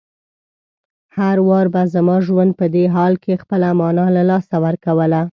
هر وار به زما ژوند په دې حال کې خپله مانا له لاسه ورکوله.